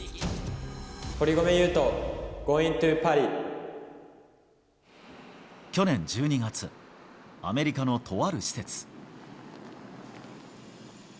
堀米雄斗、去年１２月、アメリカのとある施設。